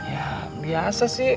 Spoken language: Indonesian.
ya biasa sih